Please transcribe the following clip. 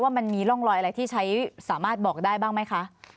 มันมีร่องรอยอะไรที่ใช้สามารถบอกได้บ้างไหมคะ